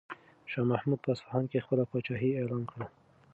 شاه محمود په اصفهان کې خپله پاچاهي اعلان کړه.